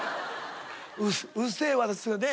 『うっせぇわ』ですよね